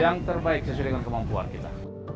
yang terbaik sesuai dengan kemampuan kita